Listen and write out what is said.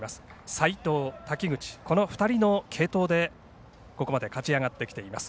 齋藤、滝口、この２人の継投でここまで勝ち上がってきています。